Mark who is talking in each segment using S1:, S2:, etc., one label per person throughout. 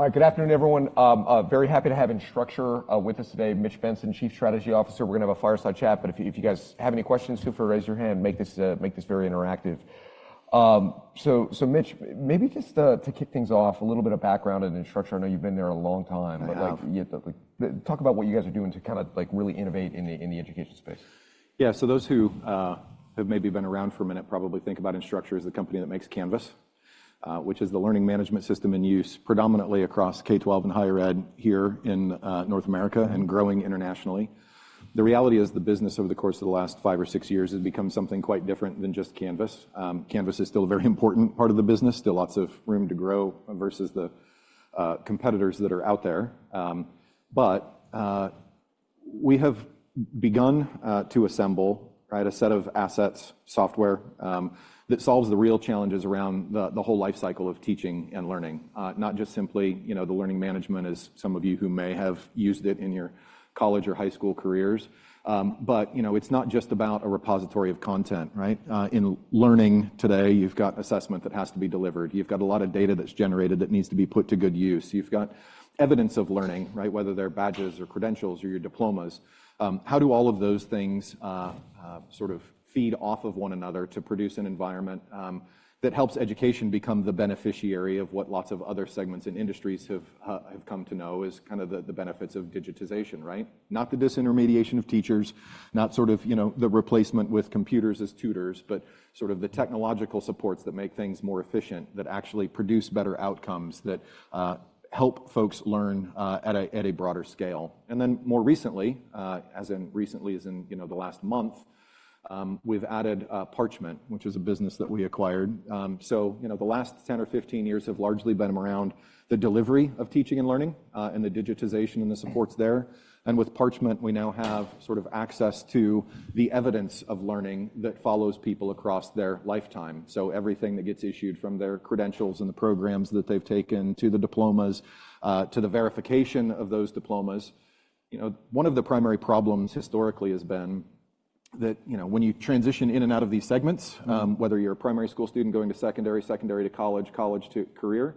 S1: All right, good afternoon, everyone. Very happy to have Instructure with us today. Mitch Benson, Chief Strategy Officer. We're going to have a fireside chat, but if you guys have any questions, feel free to raise your hand. Make this very interactive. Mitch, maybe just to kick things off, a little bit of background on Instructure. I know you've been there a long time, but talk about what you guys are doing to kind of really innovate in the education space.
S2: Yeah. So those who have maybe been around for a minute probably think about Instructure as the company that makes Canvas, which is the learning management system in use predominantly across K-12 and higher ed here in North America and growing internationally. The reality is the business over the course of the last 5 or 6 years has become something quite different than just Canvas. Canvas is still a very important part of the business, still lots of room to grow versus the competitors that are out there. But we have begun to assemble a set of assets, software, that solves the real challenges around the whole life cycle of teaching and learning, not just simply the learning management, as some of you who may have used it in your college or high school careers. But it's not just about a repository of content. In learning today, you've got assessment that has to be delivered. You've got a lot of data that's generated that needs to be put to good use. You've got evidence of learning, whether they're badges or credentials or your diplomas. How do all of those things sort of feed off of one another to produce an environment that helps education become the beneficiary of what lots of other segments and industries have come to know as kind of the benefits of digitization? Not the disintermediation of teachers, not sort of the replacement with computers as tutors, but sort of the technological supports that make things more efficient, that actually produce better outcomes, that help folks learn at a broader scale. And then more recently, as in recently as in the last month, we've added Parchment, which is a business that we acquired. So the last 10 or 15 years have largely been around the delivery of teaching and learning and the digitization and the supports there. And with Parchment, we now have sort of access to the evidence of learning that follows people across their lifetime. So everything that gets issued from their credentials and the programs that they've taken to the diplomas, to the verification of those diplomas. One of the primary problems historically has been that when you transition in and out of these segments, whether you're a primary school student going to secondary, secondary to college, college to career,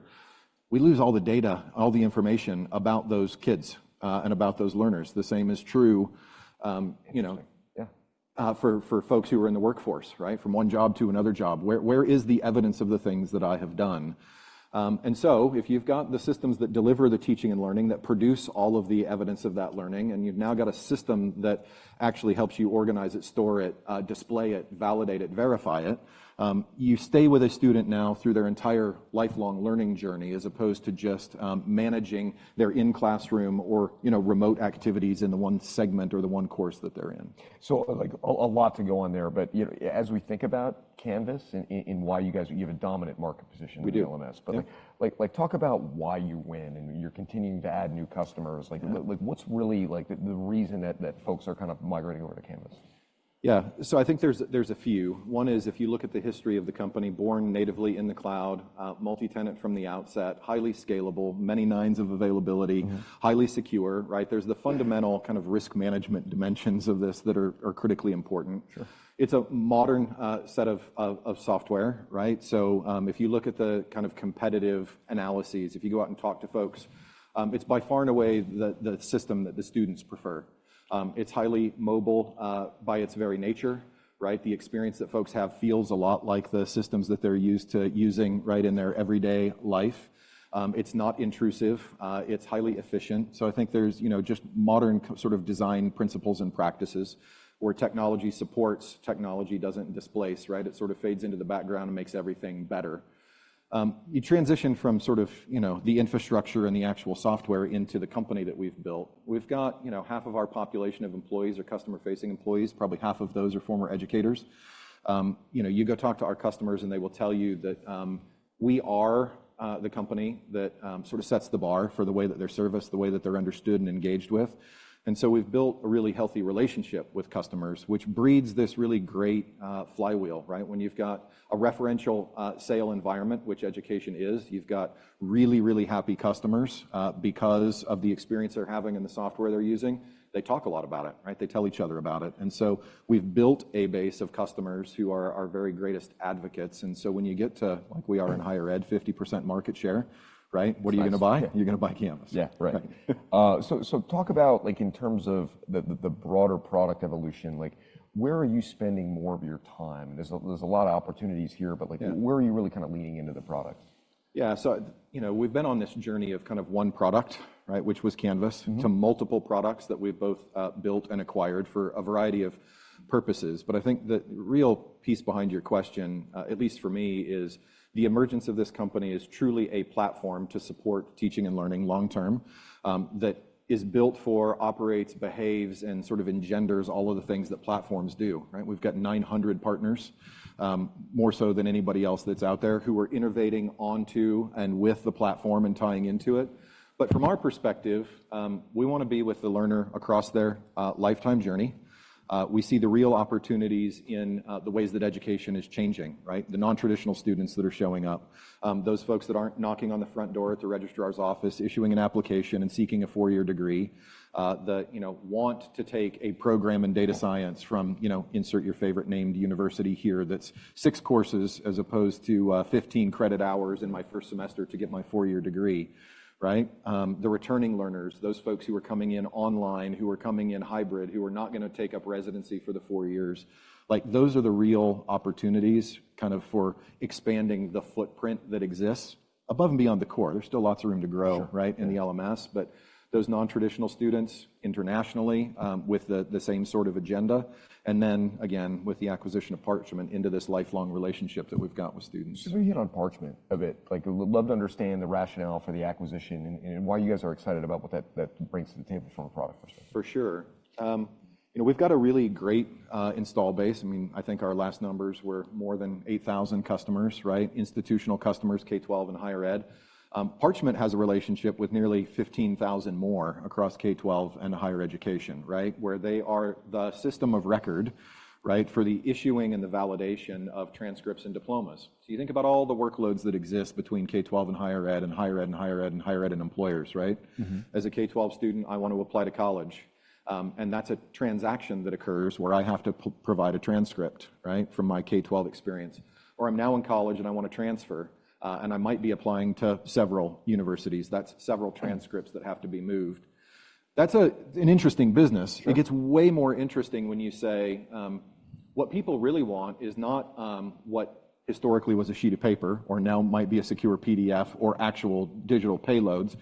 S2: we lose all the data, all the information about those kids and about those learners. The same is true for folks who are in the workforce, from one job to another job. Where is the evidence of the things that I have done? If you've got the systems that deliver the teaching and learning, that produce all of the evidence of that learning, and you've now got a system that actually helps you organize it, store it, display it, validate it, verify it, you stay with a student now through their entire lifelong learning journey as opposed to just managing their in-classroom or remote activities in the one segment or the one course that they're in.
S1: So a lot to go on there. But as we think about Canvas and why you guys have a dominant market position in LMS. But talk about why you win and you're continuing to add new customers. What's really the reason that folks are kind of migrating over to Canvas?
S2: Yeah. So I think there's a few. One is if you look at the history of the company, born natively in the cloud, multi-tenant from the outset, highly scalable, many nines of availability, highly secure. There's the fundamental kind of risk management dimensions of this that are critically important. It's a modern set of software. So if you look at the kind of competitive analyses, if you go out and talk to folks, it's by far and away the system that the students prefer. It's highly mobile by its very nature. The experience that folks have feels a lot like the systems that they're used to using in their everyday life. It's not intrusive. It's highly efficient. So I think there's just modern sort of design principles and practices where technology supports, technology doesn't displace. It sort of fades into the background and makes everything better. You transition from sort of the infrastructure and the actual software into the company that we've built. We've got half of our population of employees are customer-facing employees. Probably half of those are former educators. You go talk to our customers and they will tell you that we are the company that sort of sets the bar for the way that they're serviced, the way that they're understood and engaged with. And so we've built a really healthy relationship with customers, which breeds this really great flywheel. When you've got a referential sale environment, which education is, you've got really, really happy customers because of the experience they're having and the software they're using, they talk a lot about it. They tell each other about it. And so we've built a base of customers who are our very greatest advocates. So when you get to, like we are in Higher Ed, 50% market share, what are you going to buy? You're going to buy Canvas.
S1: Yeah, right. So talk about in terms of the broader product evolution. Where are you spending more of your time? There's a lot of opportunities here, but where are you really kind of leaning into the product?
S2: Yeah. So we've been on this journey of kind of one product, which was Canvas, to multiple products that we've both built and acquired for a variety of purposes. But I think the real piece behind your question, at least for me, is the emergence of this company is truly a platform to support teaching and learning long-term that is built for, operates, behaves, and sort of engenders all of the things that platforms do. We've got 900 partners, more so than anybody else that's out there, who are innovating onto and with the platform and tying into it. But from our perspective, we want to be with the learner across their lifetime journey. We see the real opportunities in the ways that education is changing, the non-traditional students that are showing up, those folks that aren't knocking on the front door to the registrar's office, issuing an application, and seeking a 4-year degree. They want to take a program in data science from insert your favorite named university here that's 6 courses as opposed to 15 credit hours in my first semester to get my 4-year degree. The returning learners, those folks who are coming in online, who are coming in hybrid, who are not going to take up residency for the 4 years, those are the real opportunities kind of for expanding the footprint that exists above and beyond the core. There's still lots of room to grow in the LMS, but those non-traditional students internationally with the same sort of agenda, and then again, with the acquisition of Parchment into this lifelong relationship that we've got with students.
S1: So when you get on Parchment a bit, I'd love to understand the rationale for the acquisition and why you guys are excited about what that brings to the table from a product perspective.
S2: For sure. We've got a really great installed base. I mean, I think our last numbers were more than 8,000 customers, institutional customers, K-12 and Higher Ed. Parchment has a relationship with nearly 15,000 more across K-12 and Higher Education, where they are the system of record for the issuing and the validation of transcripts and diplomas. So you think about all the workloads that exist between K-12 and Higher Ed and Higher Ed and Higher Ed and Higher Ed and employers. As a K-12 student, I want to apply to college. And that's a transaction that occurs where I have to provide a transcript from my K-12 experience. Or I'm now in college and I want to transfer and I might be applying to several universities. That's several transcripts that have to be moved. That's an interesting business. It gets way more interesting when you say what people really want is not what historically was a sheet of paper or now might be a secure PDF or actual digital payloads.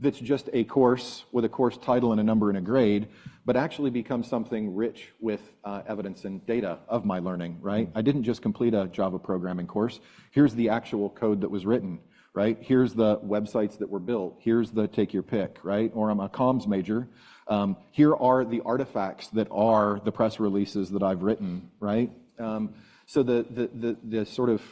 S2: That's just a course with a course title and a number and a grade, but actually becomes something rich with evidence and data of my learning. I didn't just complete a Java programming course. Here's the actual code that was written. Here's the websites that were built. Here's the take-your-pick. Or I'm a comms major. Here are the artifacts that are the press releases that I've written. So the sort of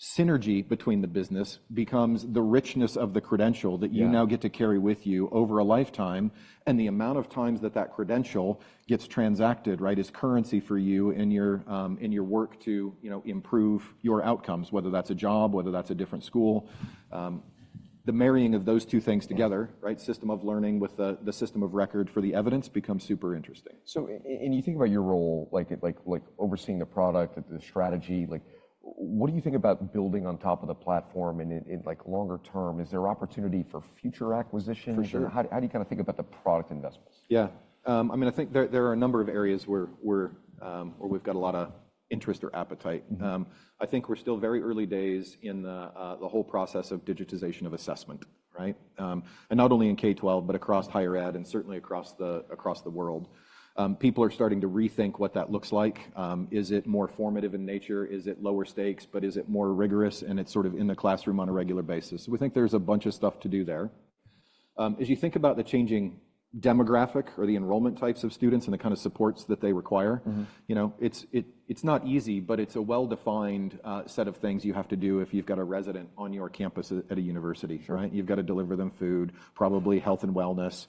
S2: synergy between the business becomes the richness of the credential that you now get to carry with you over a lifetime. The amount of times that that credential gets transacted is currency for you in your work to improve your outcomes, whether that's a job, whether that's a different school. The marrying of those two things together, system of learning with the system of record for the evidence, becomes super interesting.
S1: You think about your role overseeing the product, the strategy. What do you think about building on top of the platform in longer term? Is there opportunity for future acquisition? How do you kind of think about the product investments?
S2: Yeah. I mean, I think there are a number of areas where we've got a lot of interest or appetite. I think we're still very early days in the whole process of digitization of assessment. And not only in K-12, but across Higher Ed and certainly across the world. People are starting to rethink what that looks like. Is it more formative in nature? Is it lower stakes, but is it more rigorous and it's sort of in the classroom on a regular basis? We think there's a bunch of stuff to do there. As you think about the changing demographic or the enrollment types of students and the kind of supports that they require, it's not easy, but it's a well-defined set of things you have to do if you've got a resident on your campus at a university. You've got to deliver them food, probably health and wellness,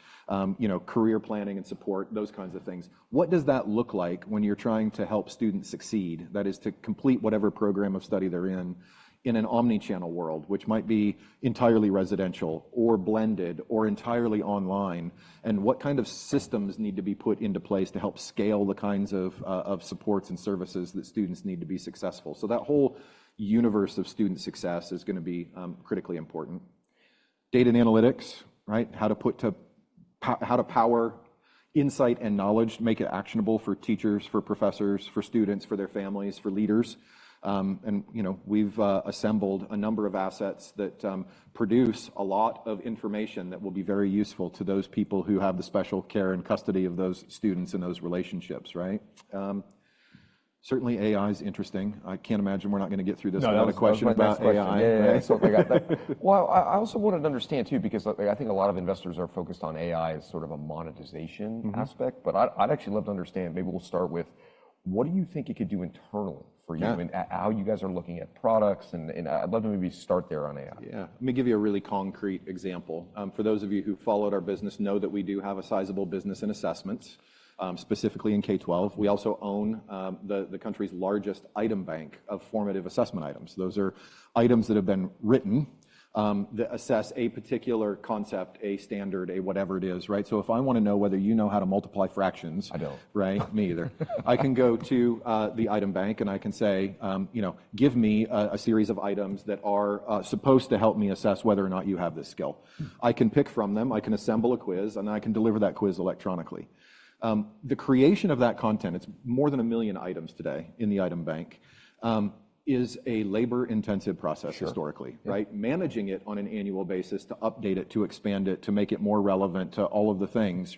S2: career planning and support, those kinds of things. What does that look like when you're trying to help students succeed, that is, to complete whatever program of study they're in, in an omnichannel world, which might be entirely residential or blended or entirely online? What kind of systems need to be put into place to help scale the kinds of supports and services that students need to be successful? That whole universe of student success is going to be critically important. Data and analytics, how to power insight and knowledge, make it actionable for teachers, for professors, for students, for their families, for leaders. We've assembled a number of assets that produce a lot of information that will be very useful to those people who have the special care and custody of those students and those relationships. Certainly, AI is interesting. I can't imagine we're not going to get through this without a question about AI.
S1: Well, I also wanted to understand too, because I think a lot of investors are focused on AI as sort of a monetization aspect. But I'd actually love to understand, maybe we'll start with what do you think it could do internally for you and how you guys are looking at products? And I'd love to maybe start there on AI.
S2: Yeah. Let me give you a really concrete example. For those of you who followed our business, know that we do have a sizable business in assessments, specifically in K-12. We also own the country's largest item bank of formative assessment items. Those are items that have been written that assess a particular concept, a standard, a whatever it is. So if I want to know whether you know how to multiply fractions.
S1: I don't.
S2: Me either. I can go to the item bank and I can say, give me a series of items that are supposed to help me assess whether or not you have this skill. I can pick from them. I can assemble a quiz and then I can deliver that quiz electronically. The creation of that content, it's more than 1 million items today in the item bank, is a labor-intensive process historically. Managing it on an annual basis to update it, to expand it, to make it more relevant to all of the things,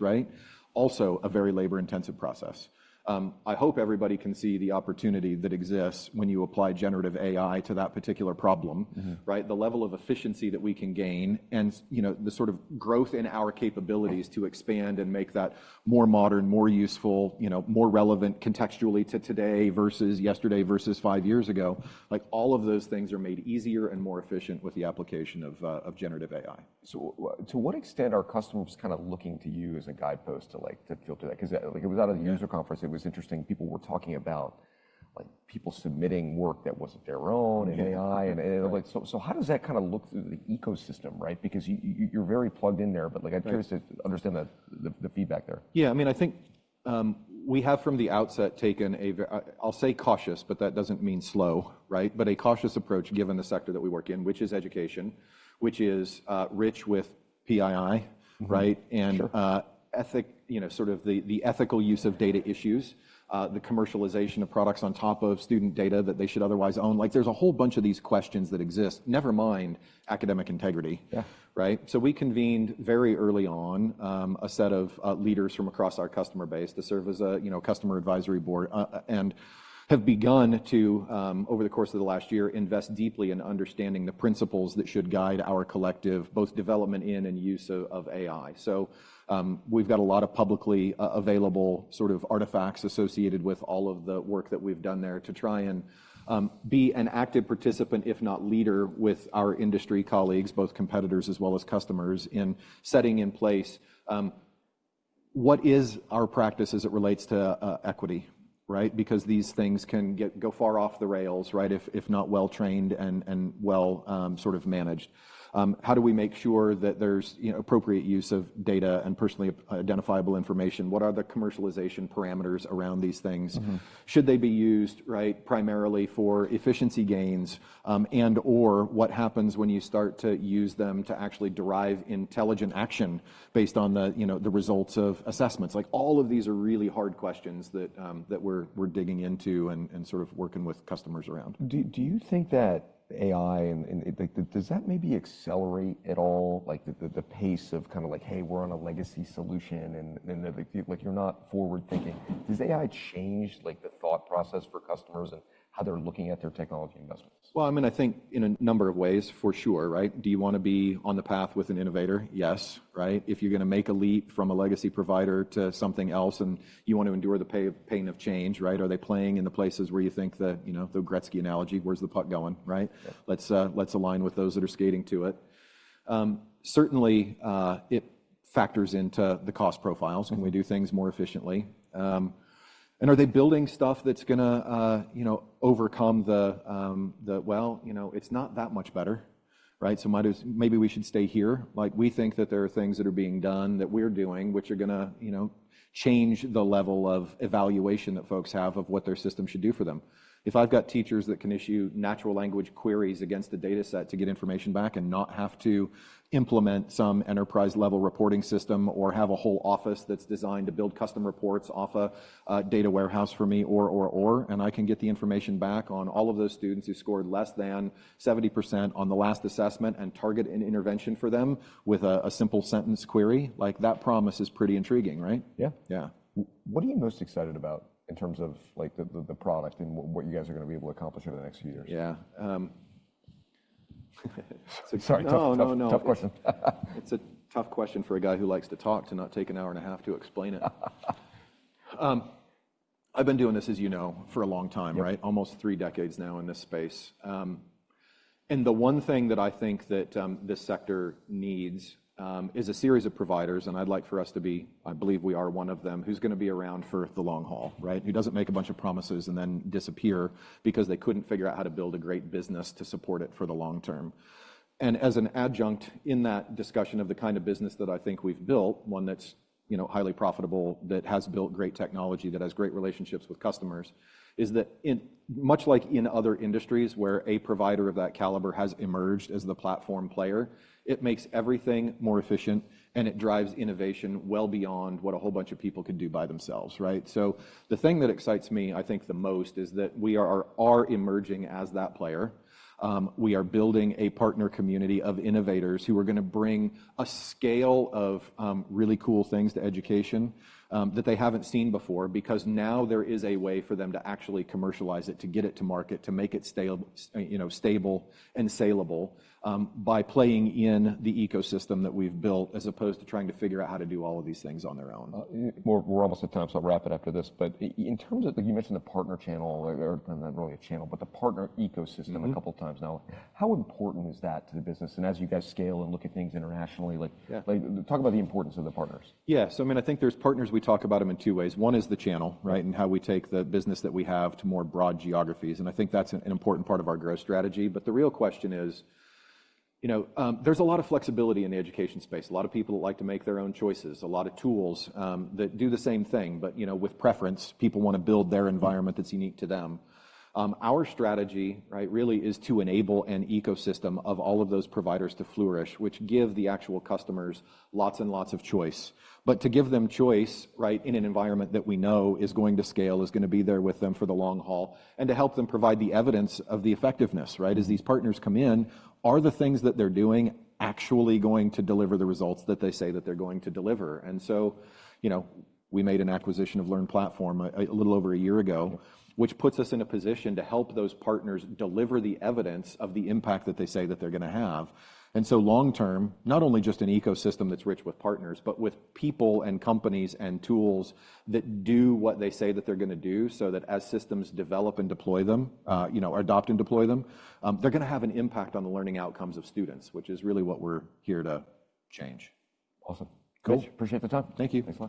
S2: also a very labor-intensive process. I hope everybody can see the opportunity that exists when you apply generative AI to that particular problem, the level of efficiency that we can gain and the sort of growth in our capabilities to expand and make that more modern, more useful, more relevant contextually to today versus yesterday versus five years ago. All of those things are made easier and more efficient with the application of Generative AI.
S1: So, to what extent are customers kind of looking to you as a guidepost to filter that? Because it was out of the user conference. It was interesting. People were talking about people submitting work that wasn't their own in AI. So how does that kind of look through the ecosystem? Because you're very plugged in there, but I'd be curious to understand the feedback there.
S2: Yeah. I mean, I think we have from the outset taken a, I'll say cautious, but that doesn't mean slow, but a cautious approach given the sector that we work in, which is education, which is rich with PII and sort of the ethical use of data issues, the commercialization of products on top of student data that they should otherwise own. There's a whole bunch of these questions that exist, never mind academic integrity. So we convened very early on a set of leaders from across our customer base to serve as a customer advisory board and have begun to, over the course of the last year, invest deeply in understanding the principles that should guide our collective both development in and use of AI. So we've got a lot of publicly available sort of artifacts associated with all of the work that we've done there to try and be an active participant, if not leader, with our industry colleagues, both competitors as well as customers, in setting in place what is our practice as it relates to equity? Because these things can go far off the rails if not well-trained and well sort of managed. How do we make sure that there's appropriate use of data and personally identifiable information? What are the commercialization parameters around these things? Should they be used primarily for efficiency gains and/or what happens when you start to use them to actually derive intelligent action based on the results of assessments? All of these are really hard questions that we're digging into and sort of working with customers around.
S1: Do you think that AI, does that maybe accelerate at all the pace of kind of like, hey, we're on a legacy solution and you're not forward-thinking? Does AI change the thought process for customers and how they're looking at their technology investments?
S2: Well, I mean, I think in a number of ways, for sure. Do you want to be on the path with an innovator? Yes. If you're going to make a leap from a legacy provider to something else and you want to endure the pain of change, are they playing in the places where you think the Gretzky analogy, where's the puck going? Let's align with those that are skating to it. Certainly, it factors into the cost profiles. Can we do things more efficiently? And are they building stuff that's going to overcome the, well, it's not that much better. So maybe we should stay here. We think that there are things that are being done that we're doing which are going to change the level of evaluation that folks have of what their system should do for them. If I've got teachers that can issue natural language queries against a dataset to get information back and not have to implement some enterprise-level reporting system or have a whole office that's designed to build custom reports off a data warehouse for me or, and I can get the information back on all of those students who scored less than 70% on the last assessment and target an intervention for them with a simple sentence query, that promise is pretty intriguing.
S1: Yeah. What are you most excited about in terms of the product and what you guys are going to be able to accomplish over the next few years?
S2: Yeah.
S1: Sorry. Tough question.
S2: It's a tough question for a guy who likes to talk to not take an hour and a half to explain it. I've been doing this, as you know, for a long time, almost three decades now in this space. The one thing that I think that this sector needs is a series of providers. I'd like for us to be, I believe we are one of them, who's going to be around for the long haul, who doesn't make a bunch of promises and then disappear because they couldn't figure out how to build a great business to support it for the long term. As an adjunct in that discussion of the kind of business that I think we've built, one that's highly profitable, that has built great technology, that has great relationships with customers, is that much like in other industries where a provider of that caliber has emerged as the platform player, it makes everything more efficient and it drives innovation well beyond what a whole bunch of people could do by themselves. The thing that excites me, I think, the most is that we are emerging as that player. We are building a partner community of innovators who are going to bring a scale of really cool things to education that they haven't seen before because now there is a way for them to actually commercialize it, to get it to market, to make it stable and saleable by playing in the ecosystem that we've built as opposed to trying to figure out how to do all of these things on their own.
S1: We're almost at time, so I'll wrap it up after this. But in terms of, you mentioned the partner channel, not really a channel, but the partner ecosystem a couple of times now. How important is that to the business? And as you guys scale and look at things internationally, talk about the importance of the partners.
S2: Yeah. So I mean, I think there's partners, we talk about them in two ways. One is the channel and how we take the business that we have to more broad geographies. And I think that's an important part of our growth strategy. But the real question is, there's a lot of flexibility in the education space. A lot of people like to make their own choices, a lot of tools that do the same thing. But with preference, people want to build their environment that's unique to them. Our strategy really is to enable an ecosystem of all of those providers to flourish, which give the actual customers lots and lots of choice. But to give them choice in an environment that we know is going to scale, is going to be there with them for the long haul, and to help them provide the evidence of the effectiveness. As these partners come in, are the things that they're doing actually going to deliver the results that they say that they're going to deliver? And so we made an acquisition of LearnPlatform a little over a year ago, which puts us in a position to help those partners deliver the evidence of the impact that they say that they're going to have. And so long term, not only just an ecosystem that's rich with partners, but with people and companies and tools that do what they say that they're going to do so that as systems develop and deploy them, adopt and deploy them, they're going to have an impact on the learning outcomes of students, which is really what we're here to change.
S1: Awesome. Appreciate the time.
S2: Thank you.